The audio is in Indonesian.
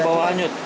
ke bawah hanyut